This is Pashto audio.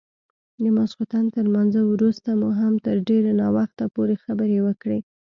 د ماخستن تر لمانځه وروسته مو هم تر ډېر ناوخته پورې خبرې وکړې.